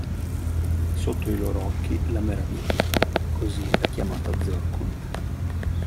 Sotto i loro occhi, la Meraviglia, così era chiamata Zorqun.